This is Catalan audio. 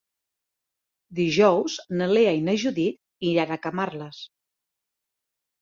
Dijous na Lea i na Judit iran a Camarles.